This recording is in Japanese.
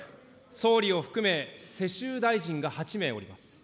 総理を含め、世襲大臣が８名おります。